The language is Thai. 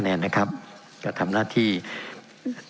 เป็นของสมาชิกสภาพภูมิแทนรัฐรนดร